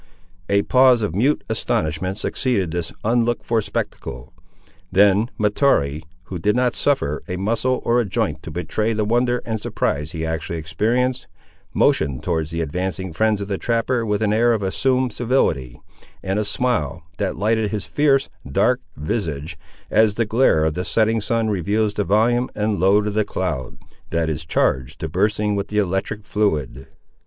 A pause of mute astonishment succeeded this unlooked for spectacle. Then Mahtoree, who did not suffer a muscle or a joint to betray the wonder and surprise he actually experienced, motioned towards the advancing friends of the trapper with an air of assumed civility, and a smile, that lighted his fierce, dark, visage, as the glare of the setting sun reveals the volume and load of the cloud, that is charged to bursting with the electric fluid.